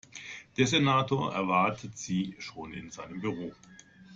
Der Senator erwartet Sie schon in seinem Büro.